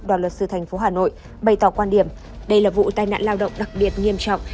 đoàn luật sư tp hà nội bày tỏ quan điểm đây là vụ tai nạn lao động đặc biệt nghiêm trọng